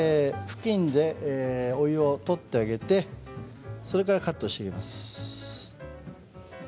布巾でお湯を取ってあげてそれからカットしていきます。